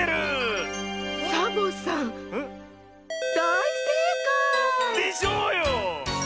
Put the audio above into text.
サボさんだいせいかい！でしょうよ！